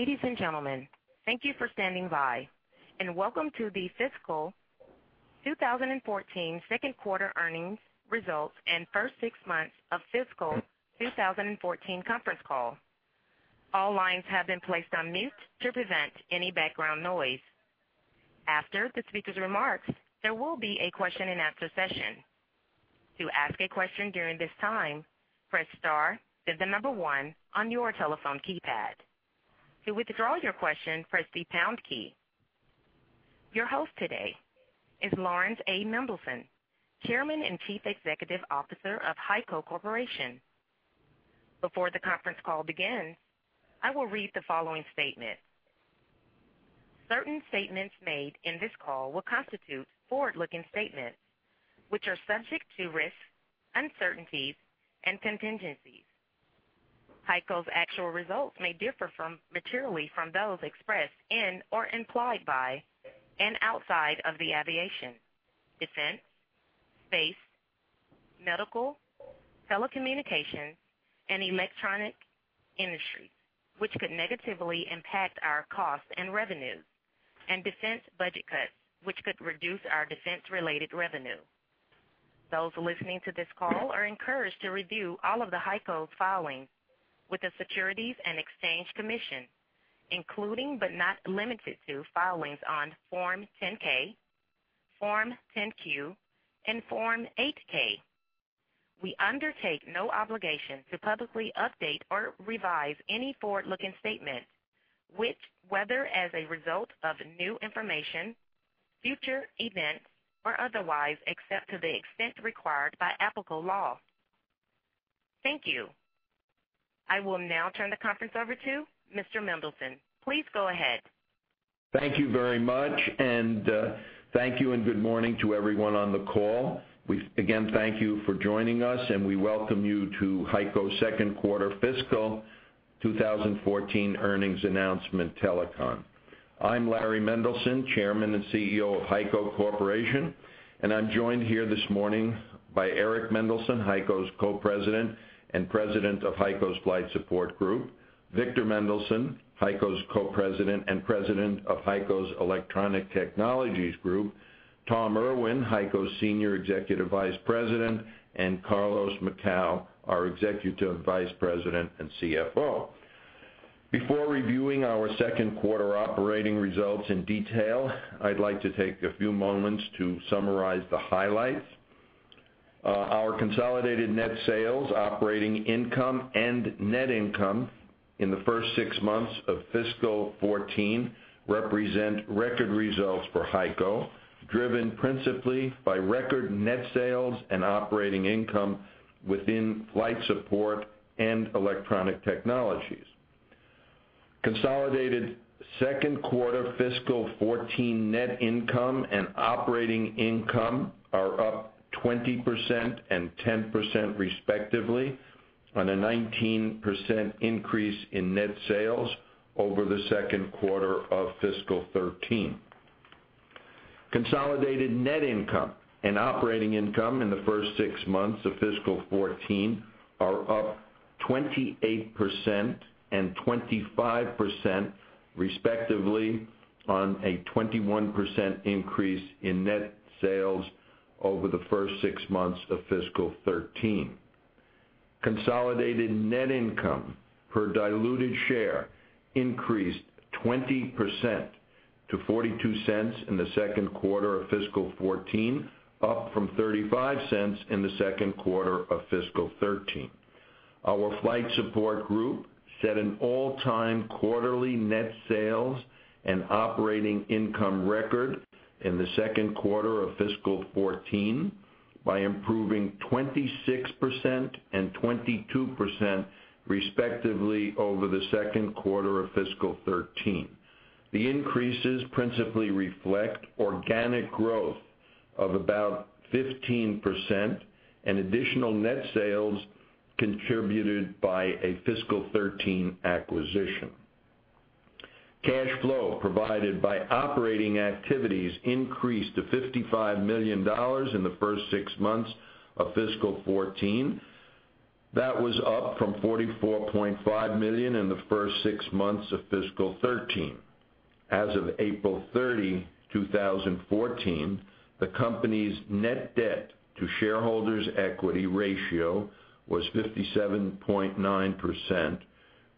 Ladies and gentlemen, thank you for standing by, and welcome to the fiscal 2014 second quarter earnings results and first six months of fiscal 2014 conference call. All lines have been placed on mute to prevent any background noise. After the speaker's remarks, there will be a question and answer session. To ask a question during this time, press star, then 1 on your telephone keypad. To withdraw your question, press the pound key. Your host today is Laurans A. Mendelson, Chairman and Chief Executive Officer of HEICO Corporation. Before the conference call begins, I will read the following statement. Certain statements made in this call will constitute forward-looking statements, which are subject to risks, uncertainties, and contingencies. HEICO's actual results may differ materially from those expressed in or implied by and outside of the aviation, defense, space, medical, telecommunications, and electronic industries, which could negatively impact our cost and revenue, and defense budget cuts, which could reduce our defense-related revenue. Those listening to this call are encouraged to review all of the HEICO filings with the Securities and Exchange Commission, including, but not limited to, filings on Form 10-K, Form 10-Q, and Form 8-K. We undertake no obligation to publicly update or revise any forward-looking statements, which, whether as a result of new information, future events, or otherwise, except to the extent required by applicable law. Thank you. I will now turn the conference over to Mr. Mendelson. Please go ahead. Thank you very much, and thank you and good morning to everyone on the call. We again thank you for joining us, and we welcome you to HEICO's second quarter fiscal 2014 earnings announcement telecon. I'm Larry Mendelson, Chairman and CEO of HEICO Corporation, and I'm joined here this morning by Eric Mendelson, HEICO's Co-President and President of HEICO's Flight Support Group; Victor Mendelson, HEICO's Co-President and President of HEICO's Electronic Technologies Group; Tom Irwin, HEICO's Senior Executive Vice President; and Carlos Macau, our Executive Vice President and CFO. Before reviewing our second quarter operating results in detail, I'd like to take a few moments to summarize the highlights. Our consolidated net sales, operating income, and net income in the first six months of fiscal 2014 represent record results for HEICO, driven principally by record net sales and operating income within Flight Support and Electronic Technologies. Consolidated second quarter fiscal 2014 net income and operating income are up 20% and 10% respectively, on a 19% increase in net sales over the second quarter of fiscal 2013. Consolidated net income and operating income in the first six months of fiscal 2014 are up 28% and 25% respectively on a 21% increase in net sales over the first six months of fiscal 2013. Consolidated net income per diluted share increased 20% to $0.42 in the second quarter of fiscal 2014, up from $0.35 in the second quarter of fiscal 2013. Our Flight Support Group set an all-time quarterly net sales and operating income record in the second quarter of fiscal 2014 by improving 26% and 22% respectively over the second quarter of fiscal 2013. The increases principally reflect organic growth of about 15% and additional net sales contributed by a fiscal 2013 acquisition. Cash flow provided by operating activities increased to $55 million in the first six months of fiscal 2014. That was up from $44.5 million in the first six months of fiscal 2013. As of April 30, 2014, the company's net debt to shareholders' equity ratio was 57.9%,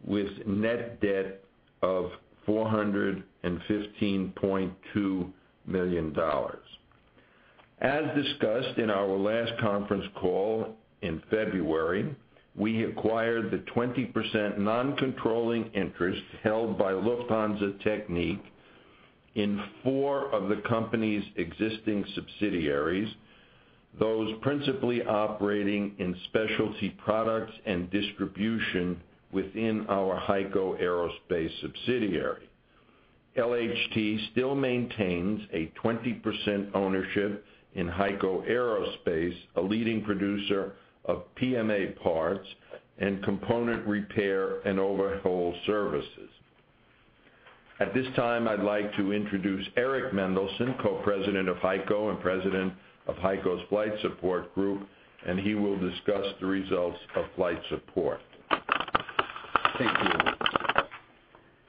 with net debt of $415.2 million. As discussed in our last conference call in February, we acquired the 20% non-controlling interest held by Lufthansa Technik in four of the company's existing subsidiaries, those principally operating in specialty products and distribution within our HEICO Aerospace subsidiary. LHT still maintains a 20% ownership in HEICO Aerospace, a leading producer of PMA parts and component repair and overhaul services. At this time, I'd like to introduce Eric Mendelson, Co-President of HEICO and President of HEICO's Flight Support Group, and he will discuss the results of Flight Support. Thank you.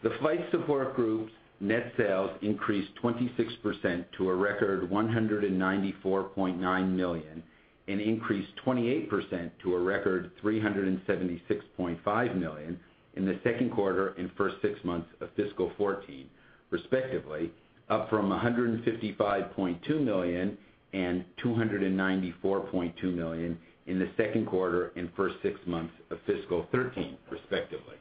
The Flight Support Group's net sales increased 26% to a record $194.9 million and increased 28% to a record $376.5 million in the second quarter and first six months of fiscal 2014, respectively, up from $155.2 million and $294.2 million in the second quarter and first six months of fiscal 2013, respectively.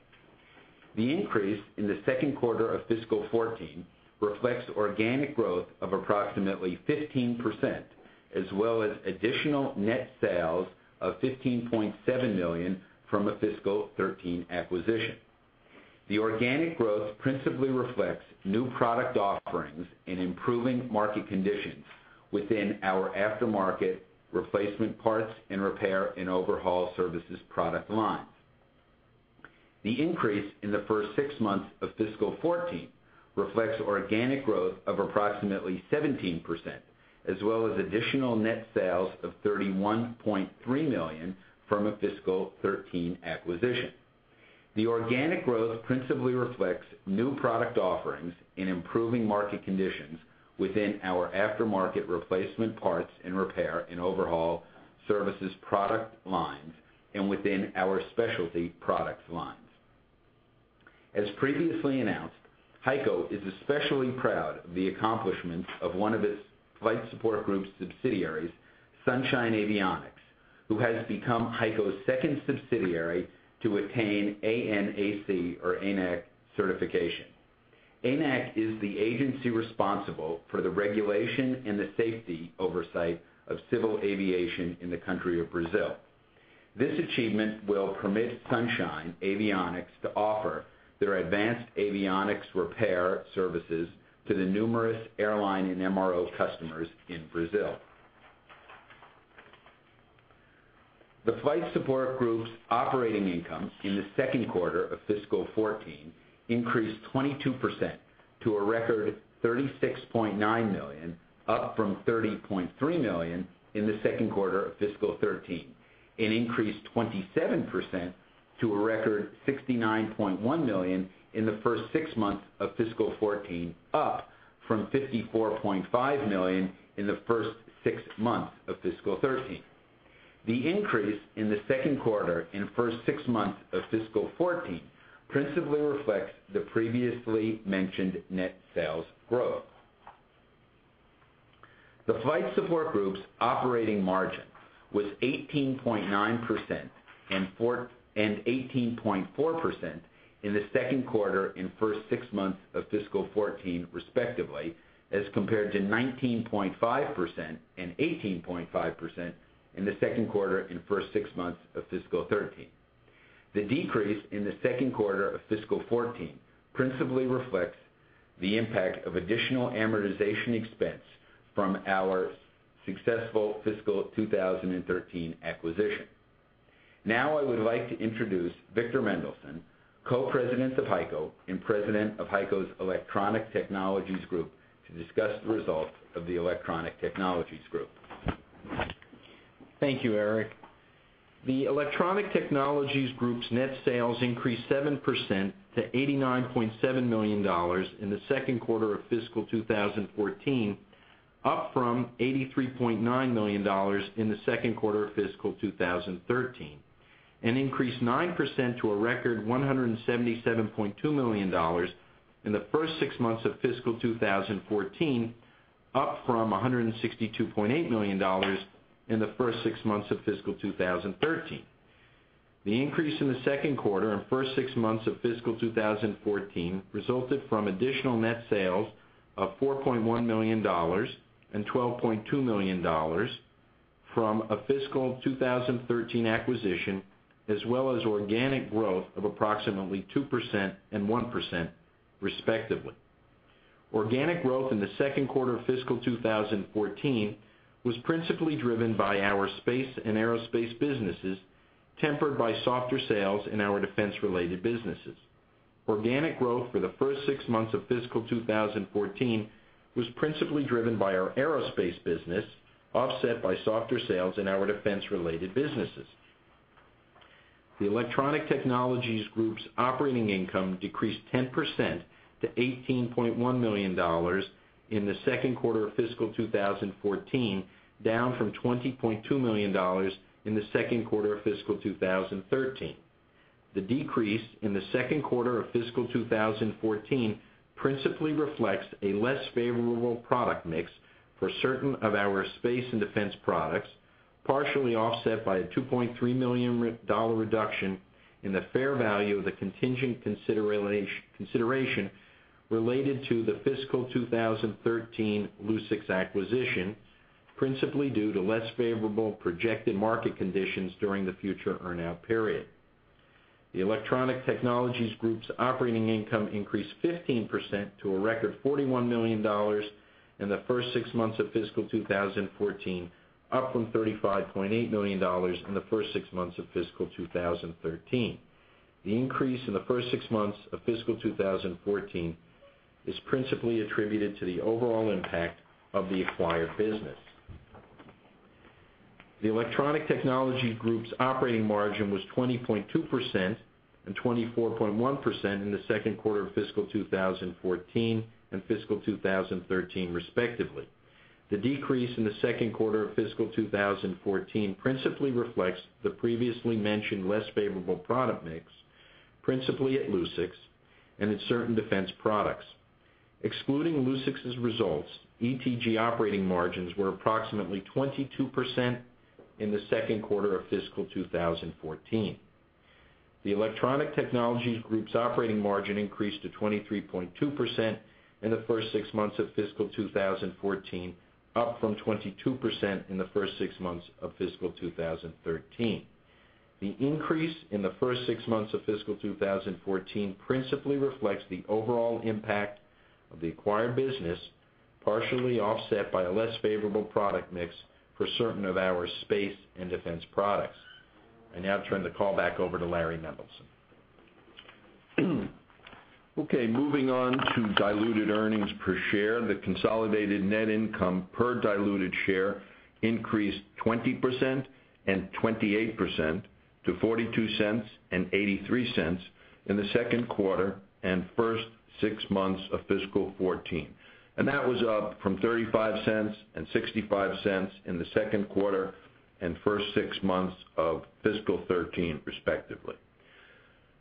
The increase in the second quarter of fiscal 2014 reflects organic growth of approximately 15%, as well as additional net sales of $15.7 million from a fiscal 2013 acquisition. The organic growth principally reflects new product offerings and improving market conditions within our aftermarket replacement parts and repair and overhaul services product lines. The increase in the first six months of fiscal 2014 reflects organic growth of approximately 17%, as well as additional net sales of $31.3 million from a fiscal 2013 acquisition. The organic growth principally reflects new product offerings in improving market conditions within our aftermarket replacement parts and repair and overhaul services product lines and within our specialty product lines. As previously announced, HEICO is especially proud of the accomplishments of one of its Flight Support Group subsidiaries, Sunshine Avionics, who has become HEICO's second subsidiary to attain ANAC or ANAC certification. ANAC is the agency responsible for the regulation and the safety oversight of civil aviation in the country of Brazil. This achievement will permit Sunshine Avionics to offer their advanced avionics repair services to the numerous airline and MRO customers in Brazil. The Flight Support Group's operating income in the second quarter of fiscal 2014 increased 22% to a record $36.9 million, up from $30.3 million in the second quarter of fiscal 2013, and increased 27% to a record $69.1 million in the first six months of fiscal 2014, up from $54.5 million in the first six months of fiscal 2013. The increase in the second quarter and first six months of fiscal 2014 principally reflects the previously mentioned net sales growth. The Flight Support Group's operating margin was 18.9% and 18.4% in the second quarter and first six months of fiscal 2014, respectively, as compared to 19.5% and 18.5% in the second quarter and first six months of fiscal 2013. The decrease in the second quarter of fiscal 2014 principally reflects the impact of additional amortization expense from our successful fiscal 2013 acquisition. Now I would like to introduce Victor Mendelson, Co-President of HEICO and President of HEICO's Electronic Technologies Group, to discuss the results of the Electronic Technologies Group. Thank you, Eric. The Electronic Technologies Group's net sales increased 7% to $89.7 million in the second quarter of fiscal 2014, up from $83.9 million in the second quarter of fiscal 2013, and increased 9% to a record $177.2 million in the first six months of fiscal 2014, up from $162.8 million in the first six months of fiscal 2013. The increase in the second quarter and first six months of fiscal 2014 resulted from additional net sales of $4.1 million and $12.2 million from a fiscal 2013 acquisition, as well as organic growth of approximately 2% and 1%, respectively. Organic growth in the second quarter of fiscal 2014 was principally driven by our space and aerospace businesses, tempered by softer sales in our defense-related businesses. Organic growth for the first six months of fiscal 2014 was principally driven by our aerospace business, offset by softer sales in our defense-related businesses. The Electronic Technologies Group's operating income decreased 10% to $18.1 million in the second quarter of fiscal 2014, down from $20.2 million in the second quarter of fiscal 2013. The decrease in the second quarter of fiscal 2014 principally reflects a less favorable product mix for certain of our space and defense products, partially offset by a $2.3 million reduction in the fair value of the contingent consideration related to the fiscal 2013 Lucix acquisition, principally due to less favorable projected market conditions during the future earn-out period. The Electronic Technologies Group's operating income increased 15% to a record $41 million In the first six months of fiscal 2014, up from $35.8 million in the first six months of fiscal 2013. The increase in the first six months of fiscal 2014 is principally attributed to the overall impact of the acquired business. The Electronic Technologies Group's operating margin was 20.2% and 24.1% in the second quarter of fiscal 2014 and fiscal 2013, respectively. The decrease in the second quarter of fiscal 2014 principally reflects the previously mentioned less favorable product mix, principally at Lucix and in certain defense products. Excluding Lucix's results, ETG operating margins were approximately 22% in the second quarter of fiscal 2014. The Electronic Technologies Group's operating margin increased to 23.2% in the first six months of fiscal 2014, up from 22% in the first six months of fiscal 2013. The increase in the first six months of fiscal 2014 principally reflects the overall impact of the acquired business, partially offset by a less favorable product mix for certain of our space and defense products. I now turn the call back over to Larry Mendelson. Okay, moving on to diluted earnings per share. The consolidated net income per diluted share increased 20% and 28% to $0.42 and $0.83 in the second quarter and first six months of fiscal 2014. That was up from $0.35 and $0.65 in the second quarter and first six months of fiscal 2013, respectively.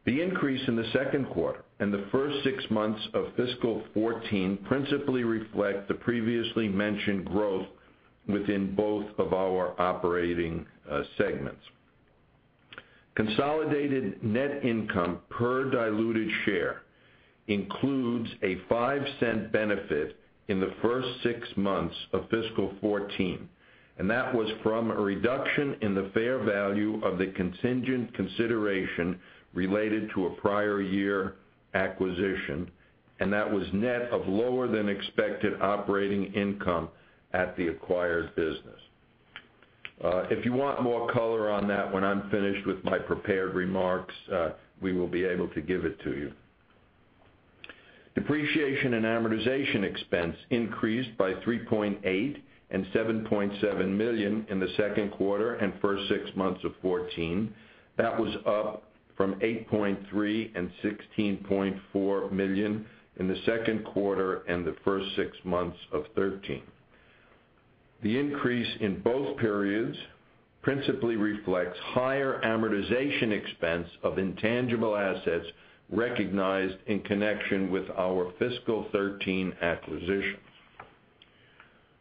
The increase in the second quarter and the first six months of fiscal 2014 principally reflect the previously mentioned growth within both of our operating segments. Consolidated net income per diluted share includes a $0.05 benefit in the first six months of fiscal 2014. That was from a reduction in the fair value of the contingent consideration related to a prior year acquisition. That was net of lower than expected operating income at the acquired business. If you want more color on that, when I'm finished with my prepared remarks, we will be able to give it to you. Depreciation and amortization expense increased by $3.8 million and $7.7 million in the second quarter and first six months of 2014. That was up from $8.3 million and $16.4 million in the second quarter and the first six months of 2013. The increase in both periods principally reflects higher amortization expense of intangible assets recognized in connection with our fiscal 2013 acquisitions.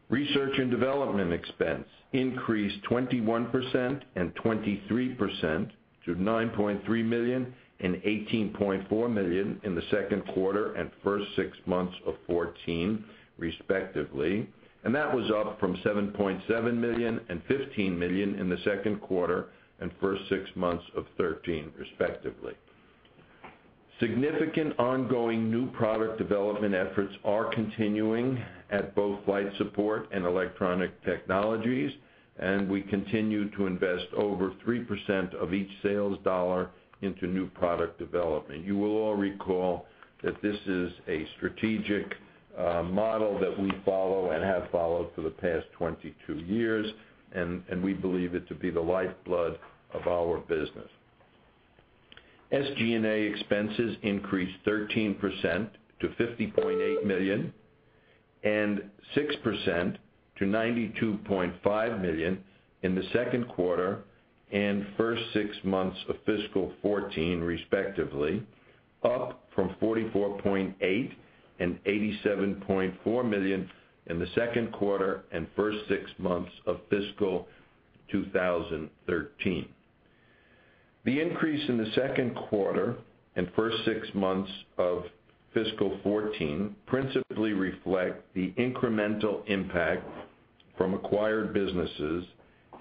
Research and development expense increased 21% and 23% to $9.3 million and $18.4 million in the second quarter and first six months of 2014, respectively. That was up from $7.7 million and $15 million in the second quarter and first six months of 2013, respectively. Significant ongoing new product development efforts are continuing at both Flight Support and Electronic Technologies. We continue to invest over 3% of each sales dollar into new product development. You will all recall that this is a strategic model that we follow and have followed for the past 22 years. We believe it to be the lifeblood of our business. SG&A expenses increased 13% to $50.8 million and 6% to $92.5 million in the second quarter and first six months of fiscal 2014, respectively, up from $44.8 million and $87.4 million in the second quarter and first six months of fiscal 2013. The increase in the second quarter and first six months of fiscal 2014 principally reflect the incremental impact from acquired businesses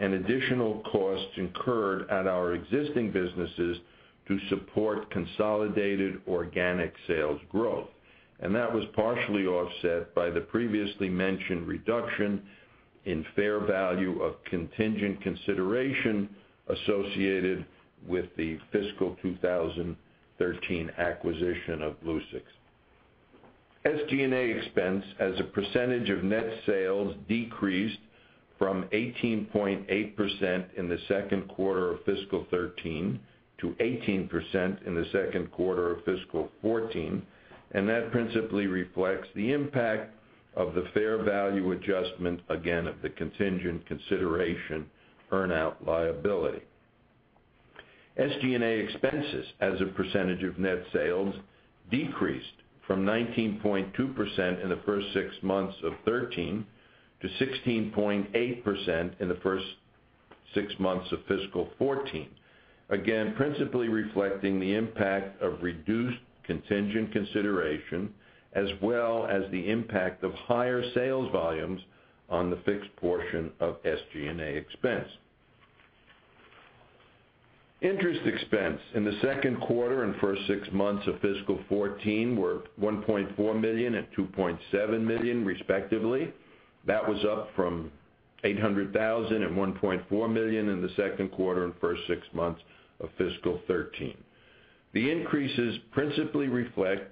and additional costs incurred at our existing businesses to support consolidated organic sales growth. That was partially offset by the previously mentioned reduction in fair value of contingent consideration associated with the fiscal 2013 acquisition of Lucix. SG&A expense as a percentage of net sales decreased from 18.8% in the second quarter of fiscal 2013 to 18% in the second quarter of fiscal 2014, and that principally reflects the impact of the fair value adjustment, again, of the contingent consideration earn-out liability. SG&A expenses as a percentage of net sales decreased from 19.2% in the first six months of 2013 to 16.8% in the first six months of fiscal 2014, again, principally reflecting the impact of reduced contingent consideration as well as the impact of higher sales volumes on the fixed portion of SG&A expense. Interest expense in the second quarter and first six months of fiscal 2014 were $1.4 million and $2.7 million respectively. That was up from $800,000 and $1.4 million in the second quarter and first six months of fiscal 2013. The increases principally reflect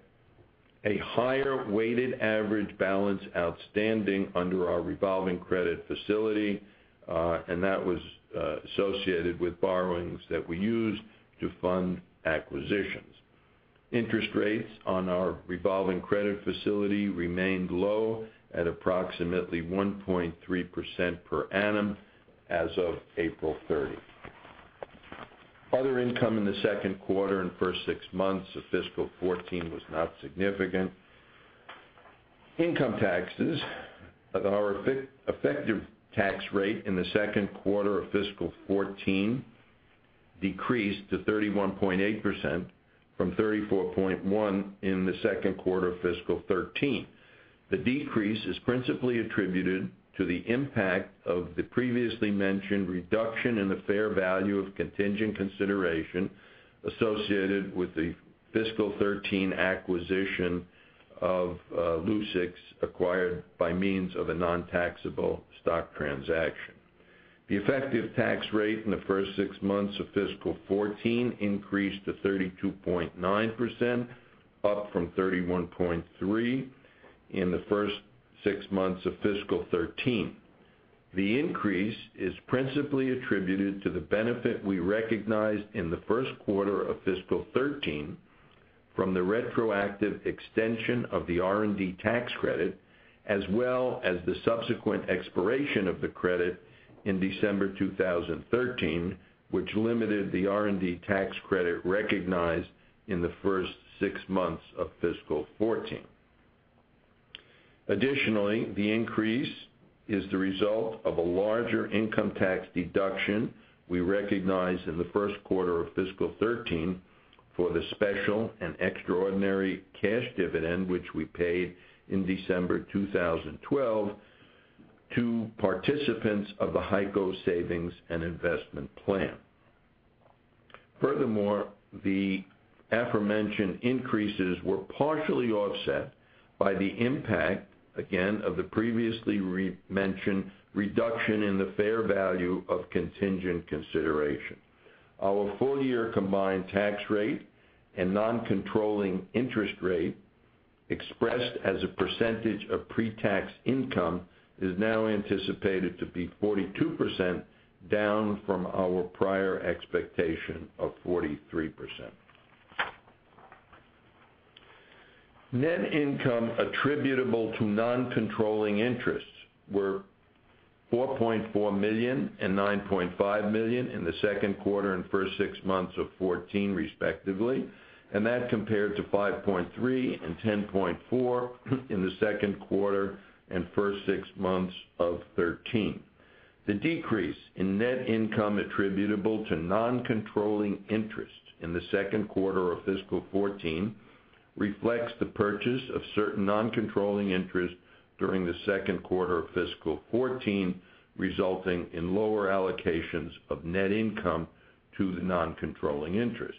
a higher weighted average balance outstanding under our revolving credit facility, and that was associated with borrowings that we used to fund acquisitions. Interest rates on our revolving credit facility remained low at approximately 1.3% per annum as of April 30th. Other income in the second quarter and first six months of fiscal 2014 was not significant. Income taxes. Our effective tax rate in the second quarter of fiscal 2014 decreased to 31.8% from 34.1% in the second quarter of fiscal 2013. The decrease is principally attributed to the impact of the previously mentioned reduction in the fair value of contingent consideration associated with the fiscal 2013 acquisition of Lucix, acquired by means of a non-taxable stock transaction. The effective tax rate in the first six months of fiscal 2014 increased to 32.9%, up from 31.3% in the first six months of fiscal 2013. The increase is principally attributed to the benefit we recognized in the first quarter of fiscal 2013 from the retroactive extension of the R&D tax credit, as well as the subsequent expiration of the credit in December 2013, which limited the R&D tax credit recognized in the first six months of fiscal 2014. Additionally, the increase is the result of a larger income tax deduction we recognized in the first quarter of fiscal 2013 for the special and extraordinary cash dividend, which we paid in December 2012 to participants of the HEICO Savings and Investment Plan. Furthermore, the aforementioned increases were partially offset by the impact, again, of the previously mentioned reduction in the fair value of contingent consideration. Our full-year combined tax rate and non-controlling interest rate, expressed as a percentage of pre-tax income, is now anticipated to be 42%, down from our prior expectation of 43%. Net income attributable to non-controlling interests were $4.4 million and $9.5 million in the second quarter and first six months of 2014, respectively, and that compared to $5.3 million and $10.4 million in the second quarter and first six months of 2013. The decrease in net income attributable to non-controlling interest in the second quarter of fiscal 2014 reflects the purchase of certain non-controlling interests during the second quarter of fiscal 2014, resulting in lower allocations of net income to the non-controlling interest.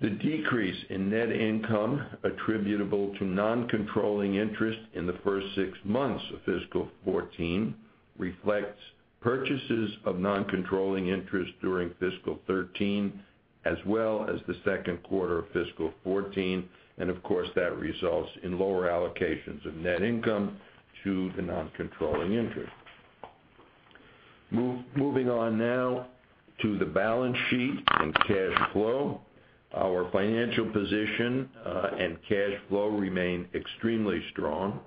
The decrease in net income attributable to non-controlling interest in the first six months of fiscal 2014 reflects purchases of non-controlling interest during fiscal 2013, as well as the second quarter of fiscal 2014. Of course, that results in lower allocations of net income to the non-controlling interest. Moving on now to the balance sheet and cash flow. Our financial position and cash flow remain extremely strong.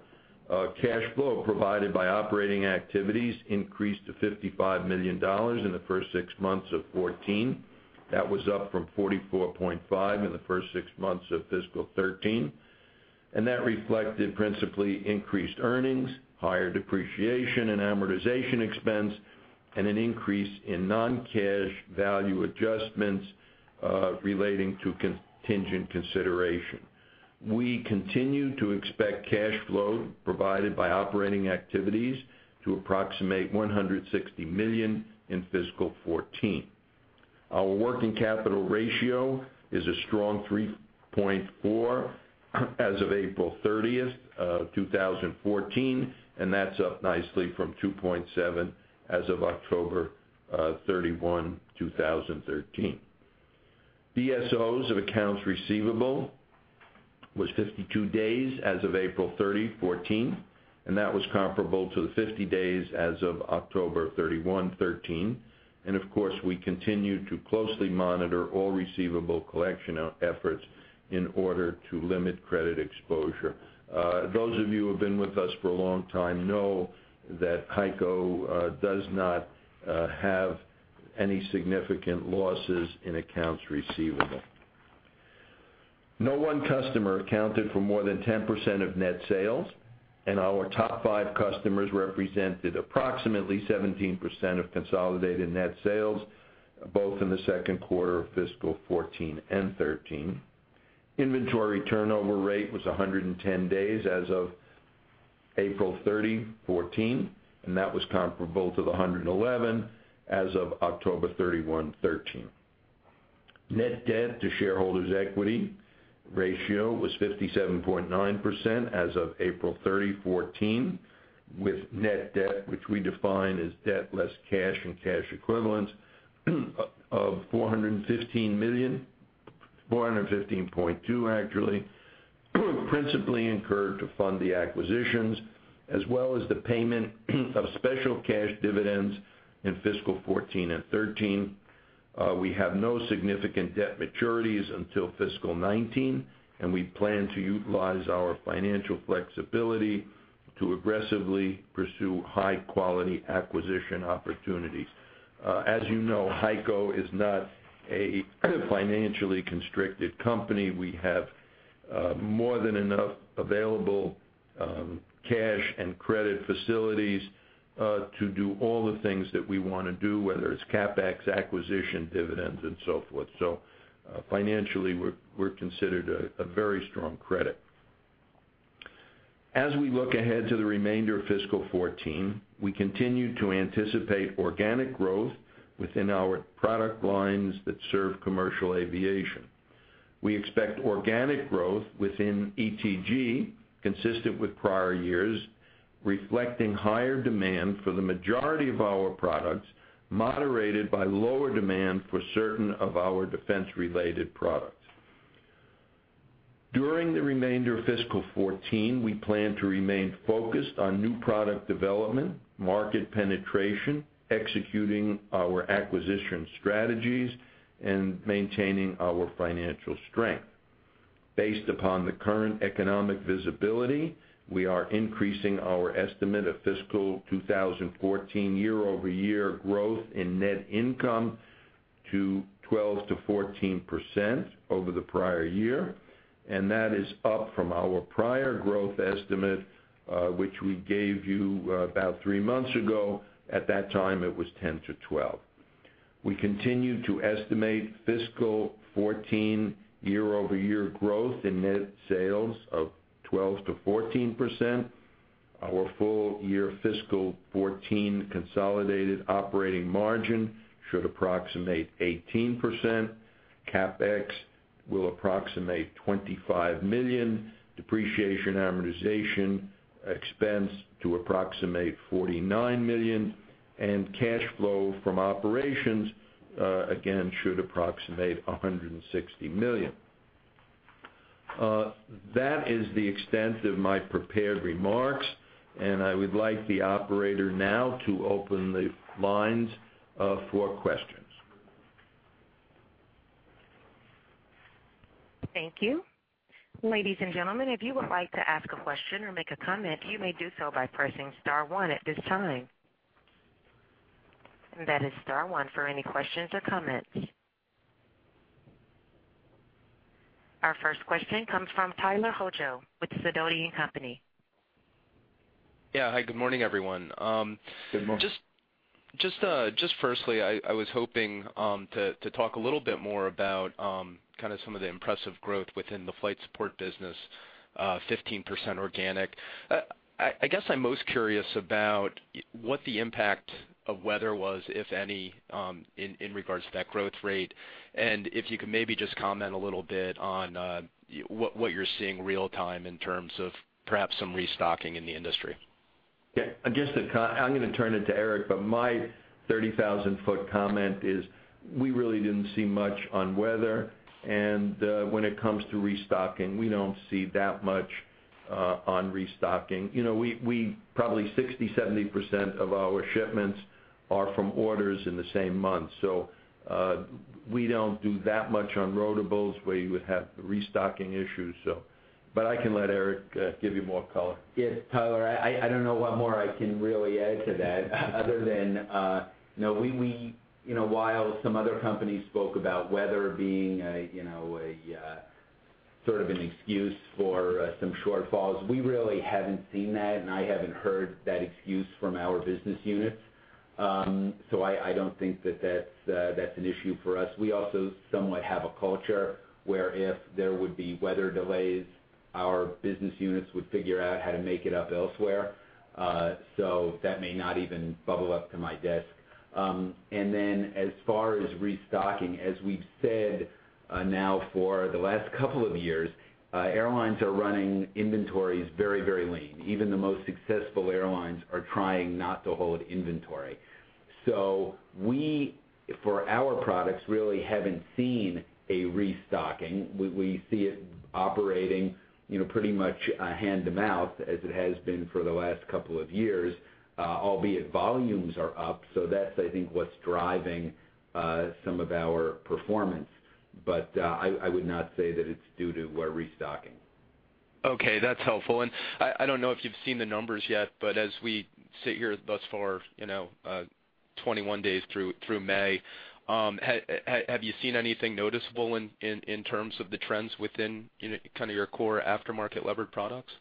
Cash flow provided by operating activities increased to $55 million in the first six months of 2014. That was up from $44.5 million in the first six months of fiscal 2013. That reflected principally increased earnings, higher depreciation and amortization expense, and an increase in non-cash value adjustments relating to contingent consideration. We continue to expect cash flow provided by operating activities to approximate $160 million in fiscal 2014. Our working capital ratio is a strong 3.4 as of April 30, 2014. That's up nicely from 2.7 as of October 31, 2013. DSOs of accounts receivable was 52 days as of April 30, 2014. That was comparable to the 50 days as of October 31, 2013. Of course, we continue to closely monitor all receivable collection efforts in order to limit credit exposure. Those of you who have been with us for a long time know that HEICO does not have any significant losses in accounts receivable. No one customer accounted for more than 10% of net sales. Our top five customers represented approximately 17% of consolidated net sales, both in the second quarter of fiscal 2014 and 2013. Inventory turnover rate was 110 days as of April 30, 2014. That was comparable to the 111 as of October 31, 2013. Net debt to shareholders' equity ratio was 57.9% as of April 30, 2014, with net debt, which we define as debt less cash and cash equivalents, of $415 million, $415.2 million actually, principally incurred to fund the acquisitions as well as the payment of special cash dividends in fiscal 2014 and 2013. We have no significant debt maturities until fiscal 2019. We plan to utilize our financial flexibility to aggressively pursue high-quality acquisition opportunities. As you know, HEICO is not a financially constricted company. We have more than enough available cash and credit facilities to do all the things that we want to do, whether it's CapEx, acquisition, dividends, and so forth. Financially, we're considered a very strong credit. As we look ahead to the remainder of fiscal 2014, we continue to anticipate organic growth within our product lines that serve commercial aviation. We expect organic growth within ETG consistent with prior years, reflecting higher demand for the majority of our products, moderated by lower demand for certain of our defense-related products. During the remainder of fiscal 2014, we plan to remain focused on new product development, market penetration, executing our acquisition strategies, and maintaining our financial strength. Based upon the current economic visibility, we are increasing our estimate of fiscal 2014 year-over-year growth in net income to 12%-14% over the prior year. That is up from our prior growth estimate, which we gave you about three months ago. At that time, it was 10%-12%. We continue to estimate fiscal 2014 year-over-year growth in net sales of 12%-14%. Our full-year fiscal 2014 consolidated operating margin should approximate 18%. CapEx will approximate $25 million, depreciation amortization expense to approximate $49 million, cash flow from operations, again, should approximate $160 million. That is the extent of my prepared remarks, I would like the operator now to open the lines for questions. Thank you. Ladies and gentlemen, if you would like to ask a question or make a comment, you may do so by pressing star one at this time. That is star one for any questions or comments. Our first question comes from Tyler Hojo with Sidoti & Company. Yeah. Hi. Good morning, everyone. Good morning. Firstly, I was hoping to talk a little bit more about some of the impressive growth within the Flight Support business, 15% organic. I guess I'm most curious about what the impact of weather was, if any, in regards to that growth rate, and if you could maybe just comment a little bit on what you're seeing real time in terms of perhaps some restocking in the industry. Yeah. I'm going to turn it to Eric, my 30,000-foot comment is, we really didn't see much on weather, and when it comes to restocking, we don't see that much on restocking. Probably 60%-70% of our shipments are from orders in the same month. We don't do that much on rotables where you would have the restocking issues. I can let Eric give you more color. Yes, Tyler, I don't know what more I can really add to that other than, while some other companies spoke about weather being sort of an excuse for some shortfalls, we really haven't seen that, and I haven't heard that excuse from our business units. I don't think that that's an issue for us. We also somewhat have a culture where if there would be weather delays, our business units would figure out how to make it up elsewhere. That may not even bubble up to my desk. As far as restocking, as we've said now for the last couple of years, airlines are running inventories very lean. Even the most successful airlines are trying not to hold inventory. We, for our products, really haven't seen a restocking. We see it operating pretty much hand-to-mouth as it has been for the last couple of years, albeit volumes are up, that's, I think, what's driving some of our performance. I would not say that it's due to a restocking. Okay. That's helpful. I don't know if you've seen the numbers yet, but as we sit here thus far, 21 days through May, have you seen anything noticeable in terms of the trends within your core aftermarket levered products?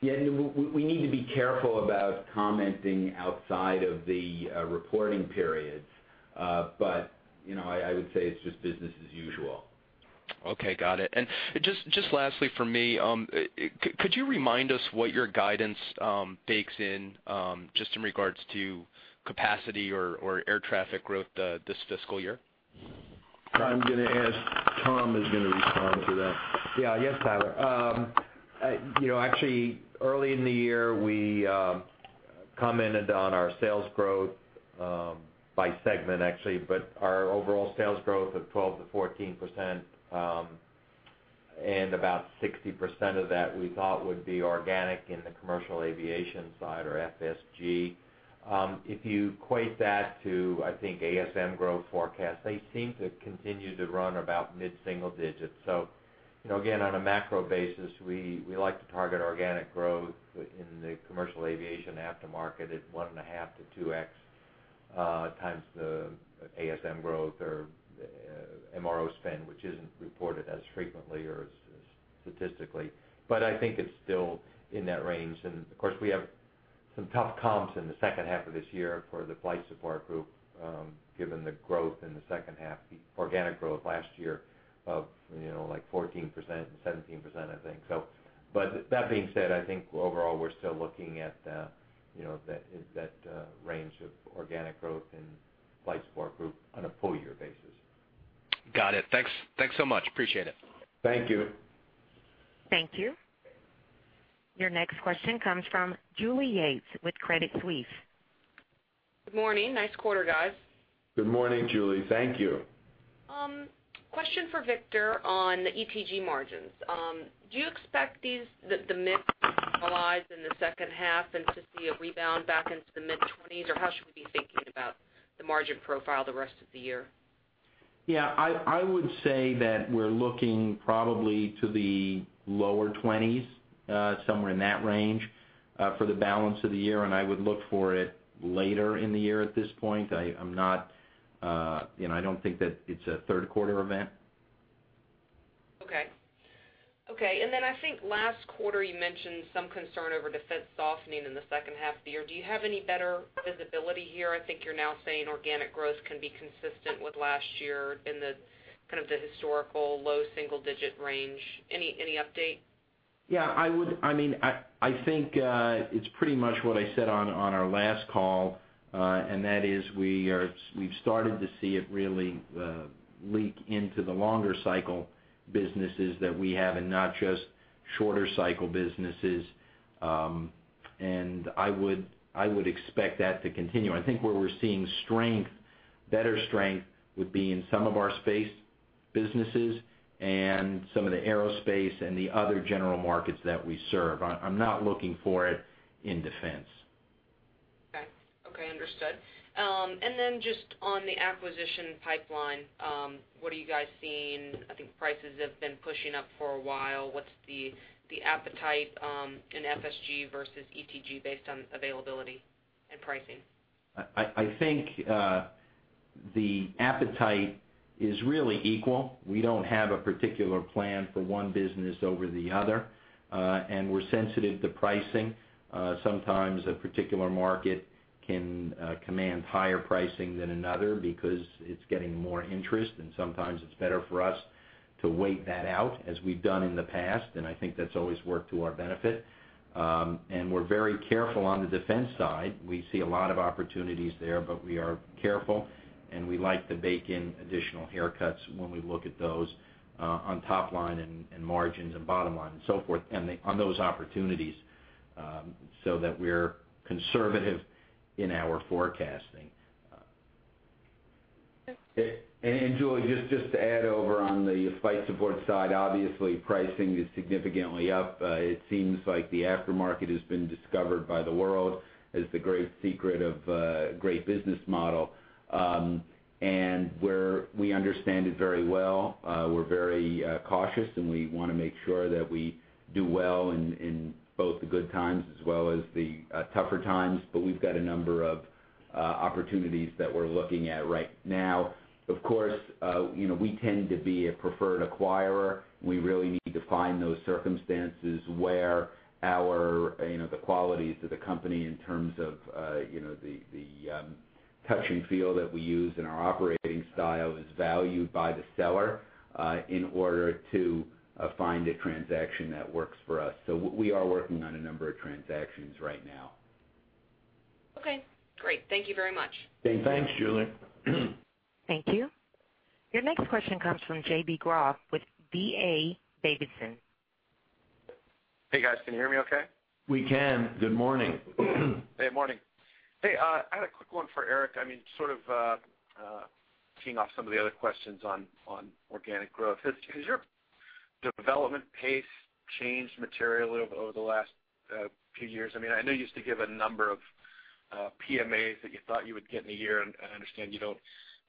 Yeah. We need to be careful about commenting outside of the reporting periods. I would say it's just business as usual. Okay, got it. Just lastly from me, could you remind us what your guidance bakes in, just in regards to capacity or air traffic growth this fiscal year? I'm going to ask Tom is going to respond to that. Yes, Tyler. Actually early in the year, we commented on our sales growth, by segment, but our overall sales growth of 12%-14%, and about 60% of that we thought would be organic in the commercial aviation side or FSG. If you equate that to, I think, ASM growth forecast, they seem to continue to run about mid-single digits. Again, on a macro basis, we like to target organic growth in the commercial aviation aftermarket at 1.5x-2x times the ASM growth or MRO spend, which isn't reported as frequently or as statistically, but I think it's still in that range. Of course, we have some tough comps in the second half of this year for the Flight Support Group, given the growth in the second half, the organic growth last year of 14% and 17%, I think. That being said, I think overall, we're still looking at that range of organic growth in Flight Support Group on a full year basis. Got it. Thanks so much. Appreciate it. Thank you. Thank you. Your next question comes from Julie Yates with Credit Suisse. Good morning. Nice quarter, guys. Good morning, Julie. Thank you. Question for Victor on the ETG margins. Do you expect the mix to normalize in the second half and to see a rebound back into the mid-20s, or how should we be thinking about the margin profile the rest of the year? Yeah, I would say that we're looking probably to the lower 20s, somewhere in that range, for the balance of the year. I would look for it later in the year at this point. I don't think that it's a third quarter event. Okay. Then I think last quarter you mentioned some concern over defense softening in the second half of the year. Do you have any better visibility here? I think you're now saying organic growth can be consistent with last year in the historical low single-digit range. Any update? Yeah, I think, it's pretty much what I said on our last call, and that is we've started to see it really leak into the longer cycle businesses that we have and not just shorter cycle businesses. I would expect that to continue. I think where we're seeing strength, better strength, would be in some of our space businesses and some of the aerospace and the other general markets that we serve. I'm not looking for it in defense. Okay. Understood. Then just on the acquisition pipeline, what are you guys seeing? I think prices have been pushing up for a while. What's the appetite in FSG versus ETG based on availability and pricing? I think, the appetite is really equal. We don't have a particular plan for one business over the other. We're sensitive to pricing. Sometimes a particular market can command higher pricing than another because it's getting more interest, and sometimes it's better for us to wait that out, as we've done in the past, and I think that's always worked to our benefit. We're very careful on the defense side. We see a lot of opportunities there, but we are careful, and we like to bake in additional haircuts when we look at those, on top line and margins and bottom line and so forth on those opportunities, so that we're conservative in our forecasting. Okay. Julie, just to add over on the Flight Support side, obviously pricing is significantly up. It seems like the aftermarket has been discovered by the world as the great secret of great business model. We understand it very well. We're very cautious, and we want to make sure that we do well in both the good times as well as the tougher times, but we've got a number of opportunities that we're looking at right now. Of course, we tend to be a preferred acquirer. We really need to find those circumstances where the qualities of the company in terms of the touch and feel that we use and our operating style is valued by the seller, in order to find a transaction that works for us. We are working on a number of transactions right now. Okay, great. Thank you very much. Okay, thanks, Julie. Thank you. Your next question comes from J.B. Groh with D.A. Davidson. Hey, guys. Can you hear me okay? We can. Good morning. Hey, morning. Hey, I had a quick one for Eric, sort of keying off some of the other questions on organic growth. Has your development pace changed materially over the last few years? I know you used to give a number of PMAs that you thought you would get in a year, and I understand you don't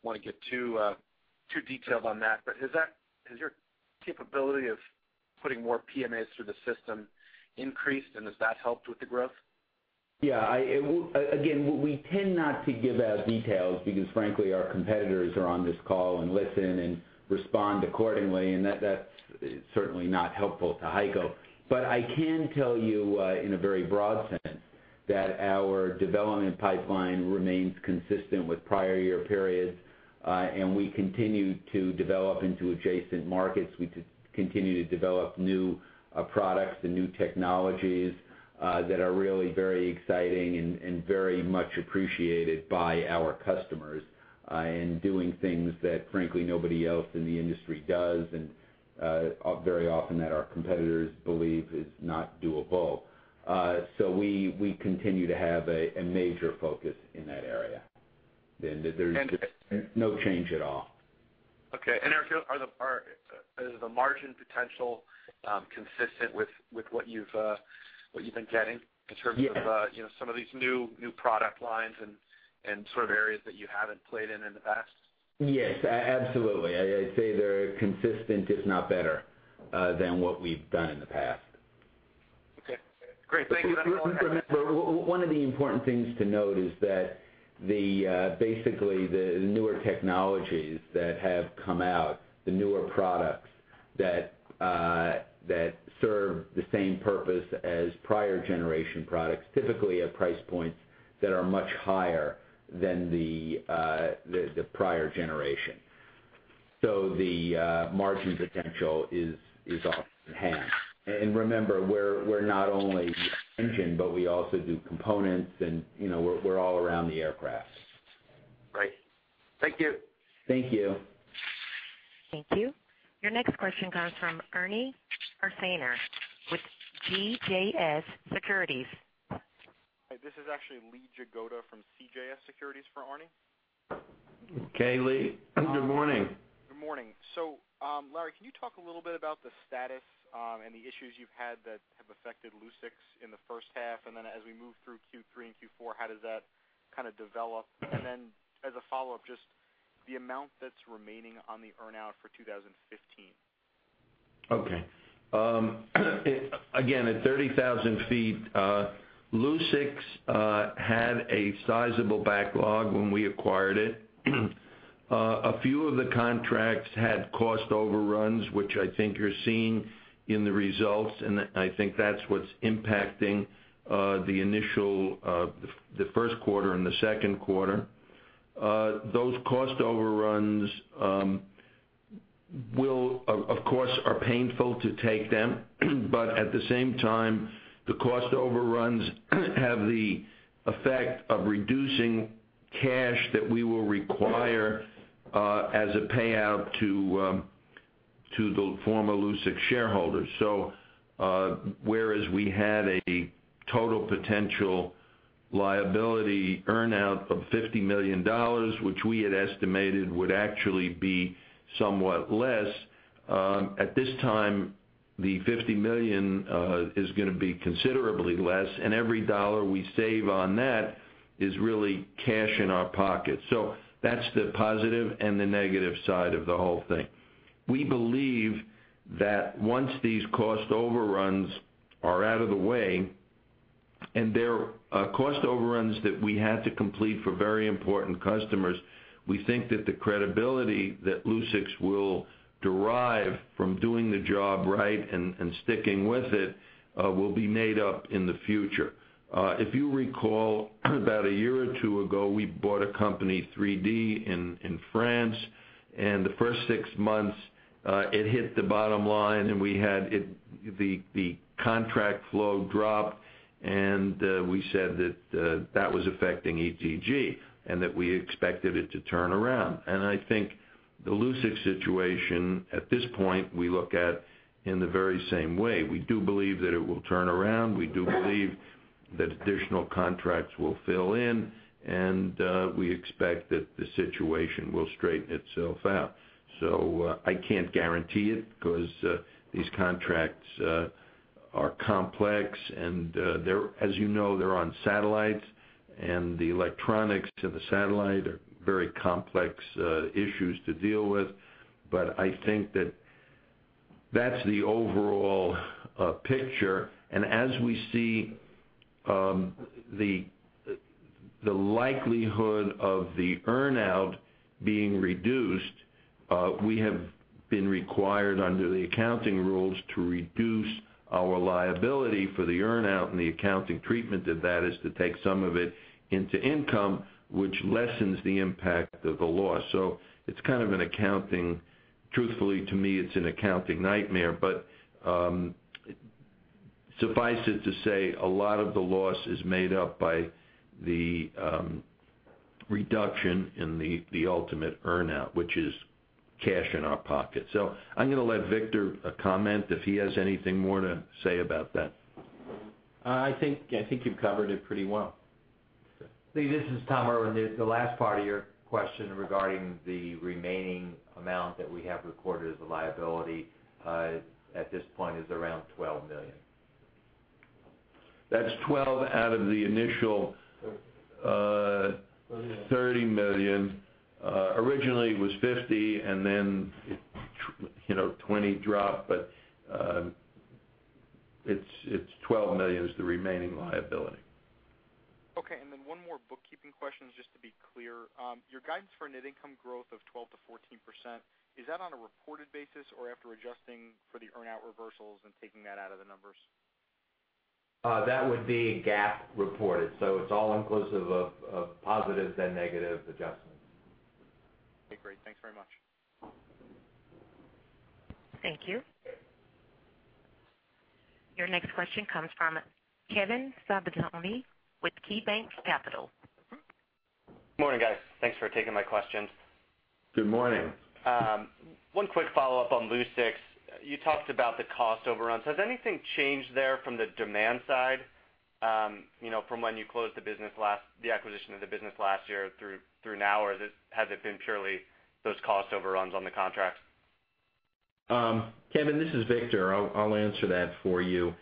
want to get too detailed on that, but has your capability of putting more PMAs through the system increased, and has that helped with the growth? Yeah. Again, we tend not to give out details because frankly, our competitors are on this call and listen and respond accordingly, and that's certainly not helpful to HEICO. I can tell you, in a very broad sense, that our development pipeline remains consistent with prior year periods, and we continue to develop into adjacent markets. We continue to develop new products and new technologies that are really very exciting and very much appreciated by our customers in doing things that frankly nobody else in the industry does, and very often that our competitors believe is not doable. We continue to have a major focus in that area. There's no change at all. Okay. Eric, is the margin potential consistent with what you've been getting in terms of some of these new product lines and areas that you haven't played in the past? Yes, absolutely. I'd say they're consistent, if not better, than what we've done in the past. Okay, great. Thank you. Remember, one of the important things to note is that basically the newer technologies that have come out, the newer products that serve the same purpose as prior generation products, typically at price points that are much higher than the prior generation. The margin potential is. Remember, we're not only the engine, but we also do components and we're all around the aircraft. Great. Thank you. Thank you. Thank you. Your next question comes from Arnie Arzainer with CJS Securities. Hi, this is actually Lee Jagoda from CJS Securities for Arnie. Okay, Lee. Good morning. Good morning. Larry, can you talk a little bit about the status and the issues you've had that have affected Lucix in the first half? As we move through Q3 and Q4, how does that kind of develop? As a follow-up, just the amount that's remaining on the earn-out for 2015. Okay. Again, at 30,000 feet, Lucix had a sizable backlog when we acquired it. A few of the contracts had cost overruns, which I think you're seeing in the results, and I think that's what's impacting the first quarter and the second quarter. Those cost overruns, of course, are painful to take them, but at the same time, the cost overruns have the effect of reducing cash that we will require as a payout to the former Lucix shareholders. Whereas we had a total potential liability earn-out of $50 million, which we had estimated would actually be somewhat less, at this time the $50 million is going to be considerably less, and every dollar we save on that is really cash in our pocket. That's the positive and the negative side of the whole thing. We believe that once these cost overruns are out of the way, and they're cost overruns that we had to complete for very important customers, we think that the credibility that Lucix will derive from doing the job right and sticking with it will be made up in the future. If you recall, about a year or two ago, we bought a company, 3D, in France, and the first six months it hit the bottom line and we had the contract flow drop, and we said that that was affecting ETG and that we expected it to turn around. I think the Lucix situation, at this point, we look at in the very same way. We do believe that it will turn around. We do believe that additional contracts will fill in, we expect that the situation will straighten itself out. I can't guarantee it, because these contracts are complex and as you know, they're on satellites, and the electronics in the satellite are very complex issues to deal with. I think that that's the overall picture. As we see the likelihood of the earn-out being reduced, we have been required under the accounting rules to reduce our liability for the earn-out, and the accounting treatment of that is to take some of it into income, which lessens the impact of the loss. It's kind of an accounting, truthfully to me, it's an accounting nightmare, but suffice it to say, a lot of the loss is made up by the reduction in the ultimate earn-out, which is cash in our pocket. I'm going to let Victor comment if he has anything more to say about that. I think you've covered it pretty well. Okay. Lee, this is Tom Irwin. The last part of your question regarding the remaining amount that we have recorded as a liability, at this point is around $12 million. That's $12 million out of the $30 million. Originally, it was $50 million, and then, $20 million dropped, but it's $12 million is the remaining liability. Okay. One more bookkeeping question, just to be clear. Your guidance for net income growth of 12%-14%, is that on a reported basis or after adjusting for the earn-out reversals and taking that out of the numbers? That would be GAAP reported. It's all-inclusive of positive then negative adjustments. Okay, great. Thanks very much. Thank you. Your next question comes from Kevin Ciabattoni with KeyBanc Capital. Morning, guys. Thanks for taking my questions. Good morning. One quick follow-up on Lucix. You talked about the cost overruns. Has anything changed there from the demand side, from when you closed the acquisition of the business last year through now, or has it been purely those cost overruns on the contracts? Kevin, this is Victor. I'll answer that for you.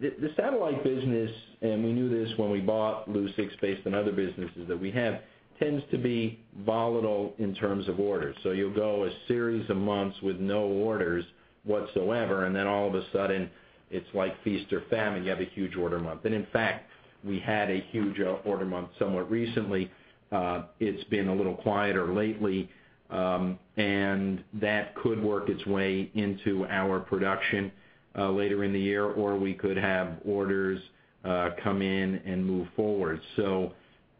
The satellite business, and we knew this when we bought Lucix based on other businesses that we have, tends to be volatile in terms of orders. You'll go a series of months with no orders whatsoever, then all of a sudden it's like feast or famine. You have a huge order month. In fact, we had a huge order month somewhat recently. It's been a little quieter lately, that could work its way into our production, later in the year, or we could have orders come in and move forward.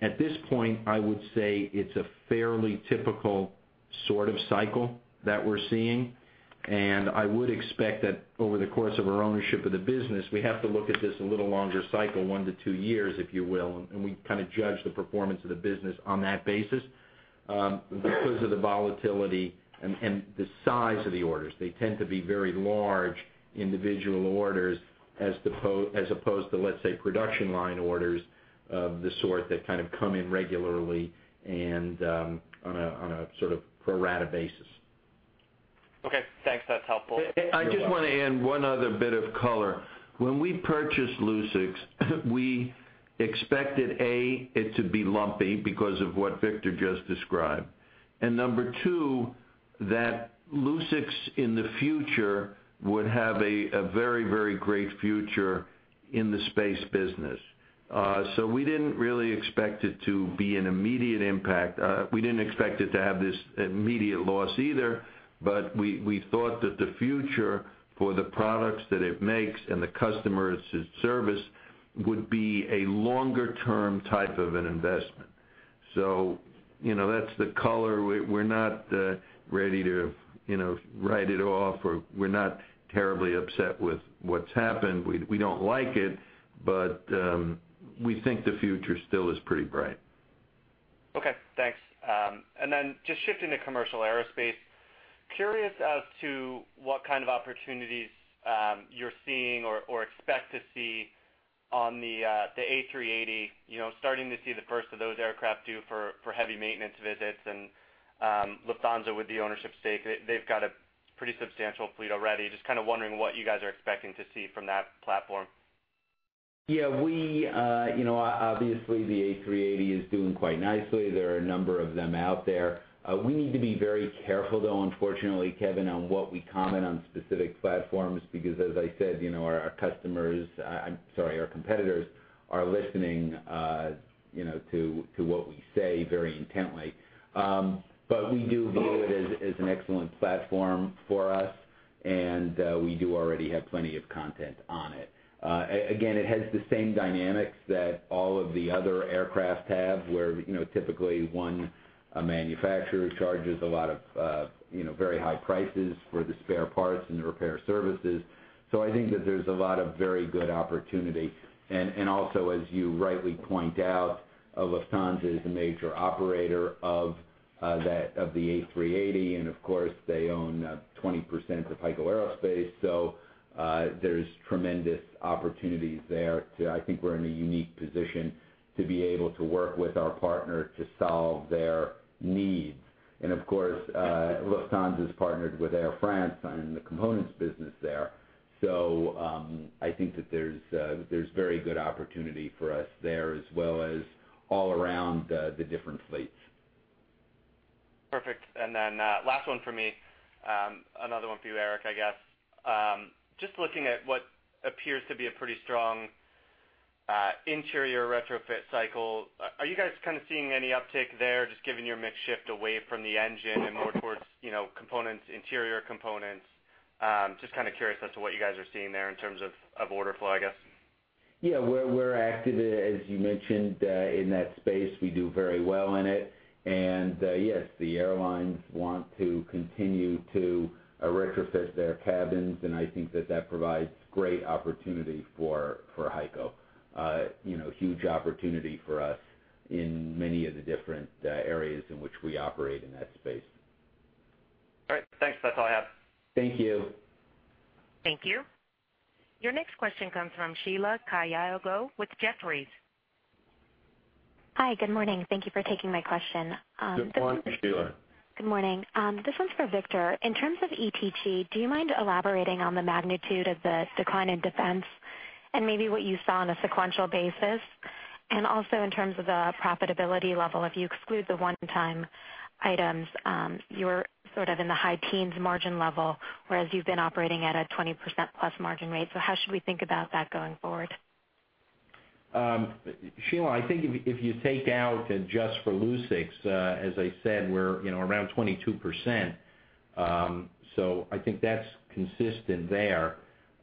At this point, I would say it's a fairly typical sort of cycle that we're seeing, I would expect that over the course of our ownership of the business, we have to look at this a little longer cycle, one to two years, if you will, we kind of judge the performance of the business on that basis. Because of the volatility and the size of the orders. They tend to be very large individual orders as opposed to, let's say, production line orders of the sort that kind of come in regularly, on a sort of pro rata basis. Okay, thanks. That's helpful. I just want to add one other bit of color. When we purchased Lucix, we expected, A, it to be lumpy because of what Victor just described, number two, that Lucix in the future would have a very great future in the space business. We didn't really expect it to be an immediate impact. We didn't expect it to have this immediate loss either, we thought that the future for the products that it makes and the customers it service would be a longer-term type of an investment. That's the color. We're not ready to write it off, we're not terribly upset with what's happened. We don't like it, we think the future still is pretty bright. Okay, thanks. Just shifting to commercial aerospace. Curious as to what kind of opportunities you're seeing or expect to see on the A380. Starting to see the first of those aircraft due for heavy maintenance visits and Lufthansa with the ownership stake. They've got a pretty substantial fleet already. Just kind of wondering what you guys are expecting to see from that platform. Yeah, obviously the A380 is doing quite nicely. There are a number of them out there. We need to be very careful, though, unfortunately, Kevin, on what we comment on specific platforms, because as I said, our competitors are listening to what we say very intently. We do view it as an excellent platform for us, and we do already have plenty of content on it. Again, it has the same dynamics that all of the other aircraft have, where, typically one manufacturer charges a lot of very high prices for the spare parts and the repair services. I think that there's a lot of very good opportunity. Also, as you rightly point out, Lufthansa is a major operator of the A380, and of course, they own 20% of HEICO Aerospace. There's tremendous opportunities there to, I think we're in a unique position to be able to work with our partner to solve their needs. Of course, Lufthansa's partnered with Air France on the components business there. I think that there's very good opportunity for us there, as well as all around the different fleets. Perfect. Last one from me. Another one for you, Eric, I guess. Just looking at what appears to be a pretty strong interior retrofit cycle, are you guys kind of seeing any uptick there, just given your mix shift away from the engine and more towards components, interior components? Just kind of curious as to what you guys are seeing there in terms of order flow, I guess. Yeah, we're active, as you mentioned, in that space. We do very well in it. Yes, the airlines want to continue to retrofit their cabins, and I think that that provides great opportunity for HEICO. Huge opportunity for us in many of the different areas in which we operate in that space. All right, thanks. That's all I have. Thank you. Thank you. Your next question comes from Sheila Kahyaoglu with Jefferies. Hi, good morning. Thank you for taking my question. Good morning, Sheila. Good morning. This one's for Victor. In terms of ETG, do you mind elaborating on the magnitude of the decline in Defense and maybe what you saw on a sequential basis? Also in terms of the profitability level, if you exclude the one-time items, you're sort of in the high teens margin level, whereas you've been operating at a 20%-plus margin rate. How should we think about that going forward? Sheila, I think if you take out just for Lucix, as I said, we're around 22%. I think that's consistent there.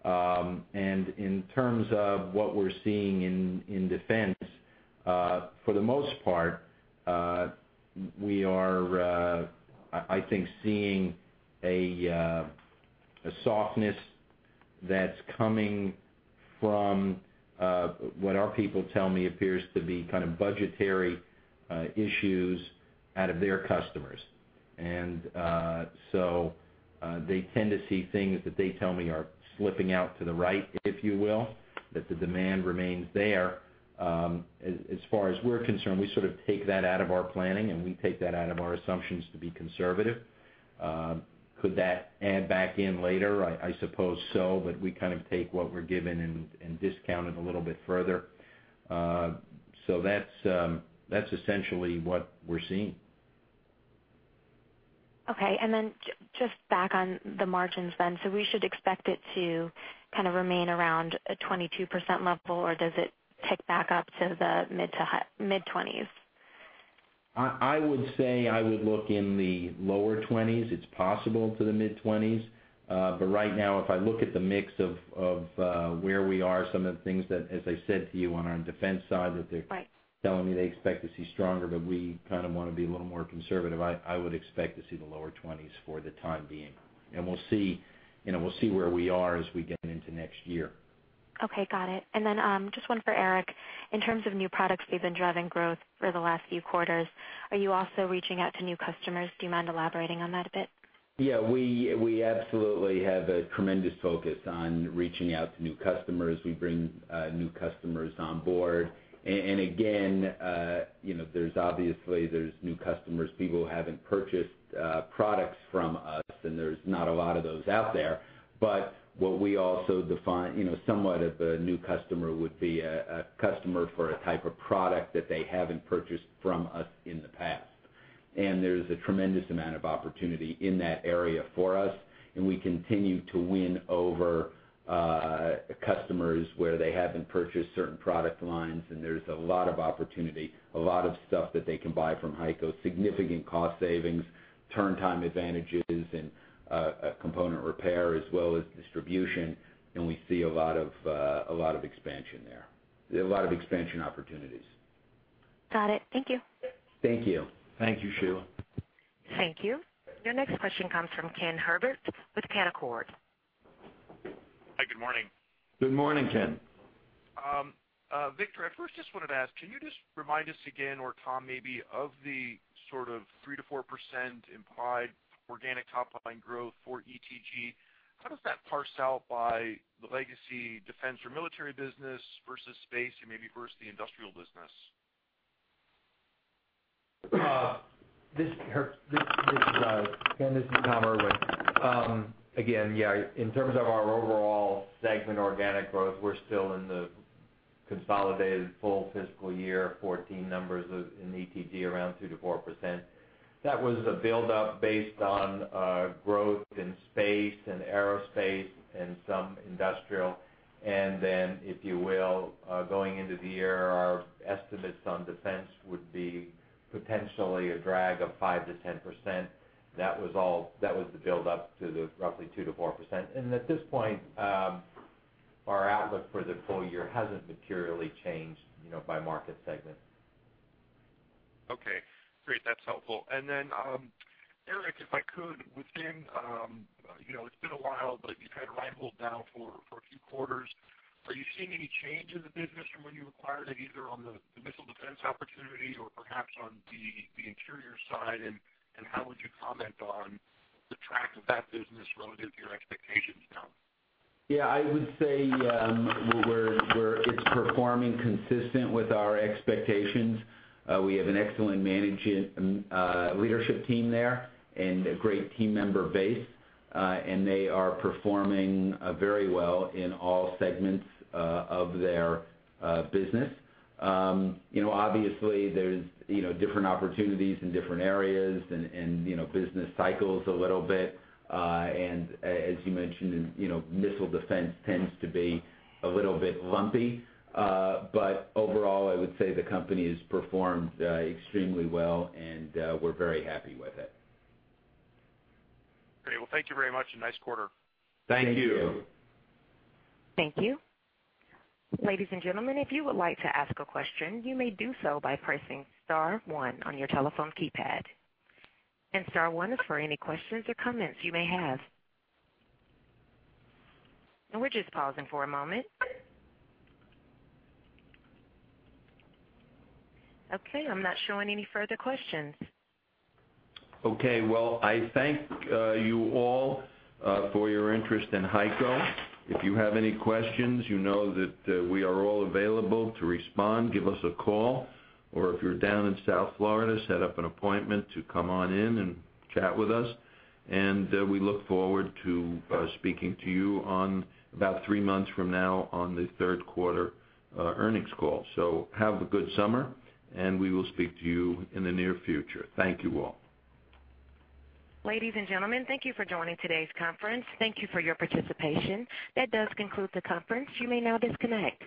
In terms of what we're seeing in Defense, for the most part, we are, I think, seeing a softness that's coming from what our people tell me appears to be kind of budgetary issues out of their customers. They tend to see things that they tell me are slipping out to the right, if you will, that the demand remains there. As far as we're concerned, we sort of take that out of our planning, and we take that out of our assumptions to be conservative. Could that add back in later? I suppose so. We kind of take what we're given and discount it a little bit further. That's essentially what we're seeing. Okay. Just back on the margins then. We should expect it to kind of remain around a 22% level, or does it tick back up to the mid-20s? I would say I would look in the lower 20s. It's possible to the mid-20s. Right now, if I look at the mix of where we are, some of the things that, as I said to you, on our Defense side, that they're. Right They're telling me they expect to see stronger, but we kind of want to be a little more conservative. I would expect to see the lower 20s for the time being. We'll see where we are as we get into next year. Okay, got it. Just one for Eric. In terms of new products that have been driving growth for the last few quarters, are you also reaching out to new customers? Do you mind elaborating on that a bit? Yeah, we absolutely have a tremendous focus on reaching out to new customers. We bring new customers on board. Again, obviously there's new customers, people who haven't purchased products from us, and there's not a lot of those out there. What we also define somewhat of a new customer would be a customer for a type of product that they haven't purchased from us in the past. There's a tremendous amount of opportunity in that area for us, and we continue to win over customers where they haven't purchased certain product lines, and there's a lot of opportunity, a lot of stuff that they can buy from HEICO, significant cost savings, turn time advantages, and component repair as well as distribution. We see a lot of expansion there. A lot of expansion opportunities. Got it. Thank you. Thank you. Thank you, Sheila. Thank you. Your next question comes from Ken Herbert with Canaccord. Hi. Good morning. Good morning, Ken. Victor, I first just wanted to ask, can you just remind us again, or Tom maybe, of the sort of 3%-4% implied organic top-line growth for ETG? How does that parse out by the legacy defense or military business versus space and maybe versus the industrial business? Kenneth, this is Thomas S. Irwin. Again, in terms of our overall segment organic growth, we're still in the consolidated full fiscal year 2014 numbers in ETG, around 2%-4%. That was a buildup based on growth in space and aerospace and some industrial. Going into the year, our estimates on Defense would be potentially a drag of 5%-10%. That was the buildup to the roughly 2%-4%. At this point, our outlook for the full year hasn't materially changed by market segment. Okay, great. That's helpful. Eric, if I could, within, it's been a while, but you've had HEICO down for a few quarters. Are you seeing any change in the business from when you acquired it, either on the missile defense opportunity or perhaps on the interior side? How would you comment on the track of that business relative to your expectations now? I would say it's performing consistent with our expectations. We have an excellent leadership team there and a great team member base. They are performing very well in all segments of their business. Obviously, there's different opportunities in different areas and business cycles a little bit. As you mentioned, missile defense tends to be a little bit lumpy. Overall, I would say the company has performed extremely well, and we're very happy with it. Great. Well, thank you very much, nice quarter. Thank you. Thank you. Thank you. Ladies and gentlemen, if you would like to ask a question, you may do so by pressing *1 on your telephone keypad. *1 is for any questions or comments you may have. We're just pausing for a moment. Okay, I'm not showing any further questions. Okay. Well, I thank you all for your interest in HEICO. If you have any questions, you know that we are all available to respond. Give us a call, or if you're down in South Florida, set up an appointment to come on in and chat with us. We look forward to speaking to you on about three months from now on the third quarter earnings call. Have a good summer, and we will speak to you in the near future. Thank you all. Ladies and gentlemen, thank you for joining today's conference. Thank you for your participation. That does conclude the conference. You may now disconnect.